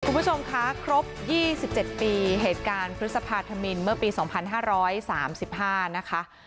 คุณผู้ชมคะครบ๒๗ปีเหตุการณ์พฤษภาธมินเมื่อปี๒๕๓๕นะคะ